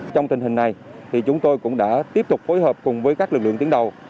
trong tình hình này chúng tôi cũng đã tiếp tục phối hợp cùng với các lực lượng tiến đầu